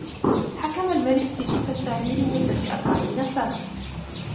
حكم الملك فيليب الثاني لمدة أربعين سنة.